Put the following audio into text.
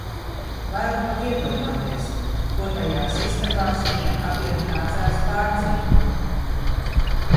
Bail pat iedomāties, ko tajās istabās viņiem abiem nācās pārdzīvot...